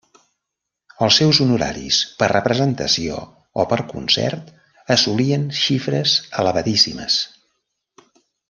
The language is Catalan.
Els seus honoraris per representació o per concert assolien xifres elevadíssimes.